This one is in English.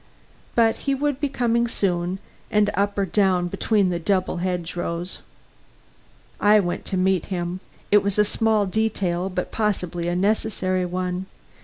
But he would be coming soon, and up or down between the double hedge rows. I went to meet him. It was a small detail, but possibly a necessary one.